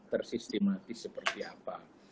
tersistematis seperti apa